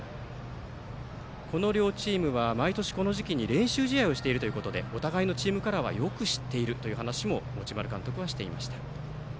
この両チームは毎年この時期に練習試合をしているということでお互いのチームカラーをよく知っているという話も持丸監督はしていました。